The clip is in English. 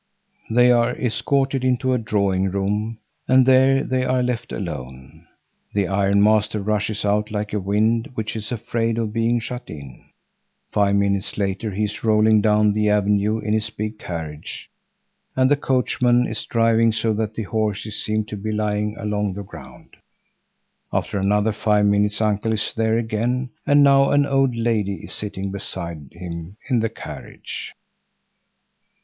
They are escorted into a drawing room, and there they are left alone. The ironmaster rushes out like a wind which is afraid of being shut in. Five minutes later he is rolling down the avenue in his big carriage, and the coachman is driving so that the horses seem to be lying along the ground. After another five minutes uncle is there again, and now an old lady is sitting beside him in the carriage.